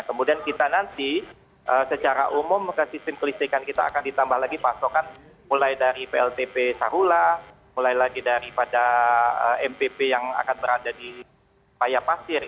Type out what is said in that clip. kemudian kita nanti secara umum ke sistem kelistrikan kita akan ditambah lagi pasukan mulai dari pltb sahula mulai lagi dari pada mpb yang akan berada di payapasir